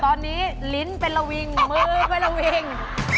ตอนนี้ลิ้นเป็นระวิงมือเป็นระวิง